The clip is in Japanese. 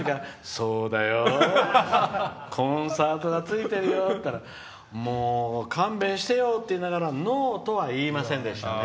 そうだよ、コンサートがついてるよっつったらもう、勘弁してよって言いながらノーとは言いませんでしたね。